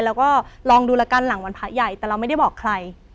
แล้วก็ลองดูแล้วกันหลังวันพระใหญ่แต่เราไม่ได้บอกใคร